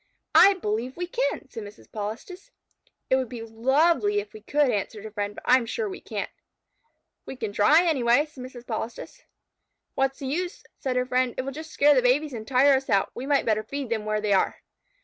"I believe we can," said Mrs. Polistes. "It would be lovely if we could," answered her friend, "but I am sure we can't." "We can try it, anyway," said Mrs. Polistes. "What is the use?" said her friend. "It will just scare the babies and tire us out. We might better feed them where they are."